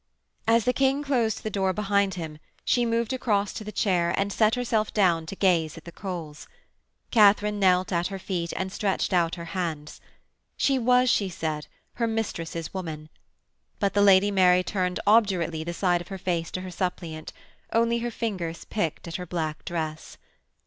As the King closed the door behind him she moved across to the chair and sat herself down to gaze at the coals. Katharine knelt at her feet and stretched out her hands. She was, she said, her mistress's woman. But the Lady Mary turned obdurately the side of her face to her suppliant; only her fingers picked at her black dress.